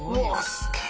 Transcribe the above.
すげえ。